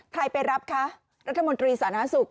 ใครไปรับคะรัฐมนตรีสนาศุกร์